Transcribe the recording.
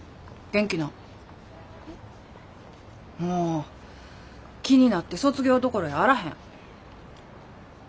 もう気になって卒業どころやあらへん。